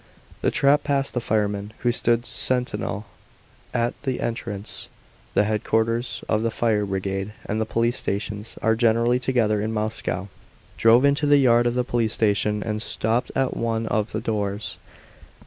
The trap passed the fireman who stood sentinel at the entrance, [the headquarters of the fire brigade and the police stations are generally together in Moscow] drove into the yard of the police station, and stopped at one of the doors.